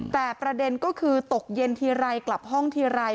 แต่ประเด็นก็คือตกเย็นทีไรกลับห้องทีไร